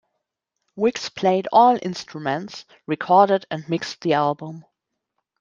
Wiggs played all instruments, recorded and mixed the album.